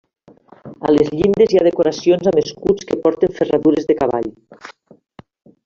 A les llindes hi ha decoracions amb escuts que porten ferradures de cavall.